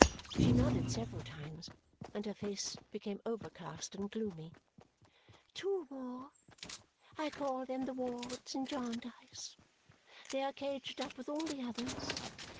She nodded several times, and her face became overcast and gloomy. "Two more. I call them the Wards in Jarndyce. They are caged up with all the others.